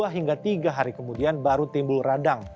dua hingga tiga hari kemudian baru timbul radang